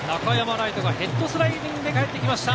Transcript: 礼都がヘッドスライディングでかえってきました。